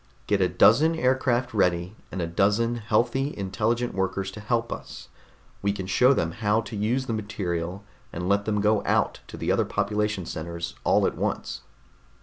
Get a dozen aircraft ready, and a dozen healthy, intelligent workers to help us. We can show them how to use the material, and let them go out to the other population centers all at once."